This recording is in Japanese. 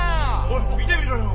おい見てみろよ。